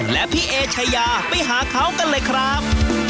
และพี่เอชายาไปหาเขากันเลยครับ